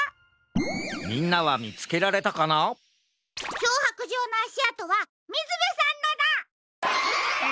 きょうはくじょうのあしあとはみずべさんのだ！え！？